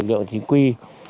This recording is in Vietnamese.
liệu chính quy